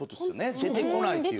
出てこないっていう。